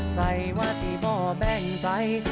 ใส่ว่าสิพ่อแบ่งใจ